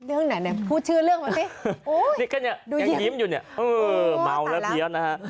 อือเมาและเพียสนะฮะ